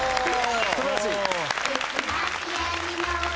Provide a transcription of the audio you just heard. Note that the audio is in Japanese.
素晴らしい！